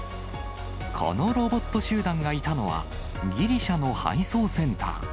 このロボット集団がいたのは、ギリシャの配送センター。